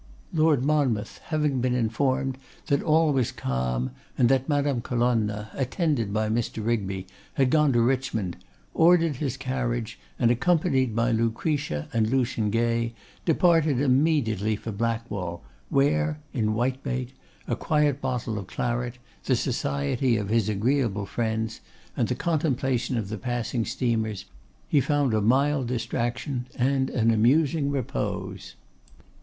Lord Monmouth having been informed that all was calm, and that Madame Colonna, attended by Mr. Rigby, had gone to Richmond, ordered his carriage, and accompanied by Lucretia and Lucian Gay, departed immediately for Blackwall, where, in whitebait, a quiet bottle of claret, the society of his agreeable friends, and the contemplation of the passing steamers, he found a mild distraction and an amusing repose.